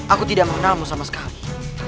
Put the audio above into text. aku tidak mengenalmu sama sekali